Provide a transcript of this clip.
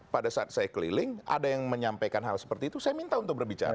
pada saat saya keliling ada yang menyampaikan hal seperti itu saya minta untuk berbicara